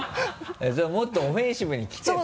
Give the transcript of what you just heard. もっとオフェンシブに来てと。